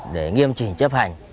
để nghiêm chỉnh chấp hành